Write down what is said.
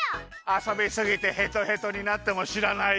あそびすぎてヘトヘトになってもしらないよ？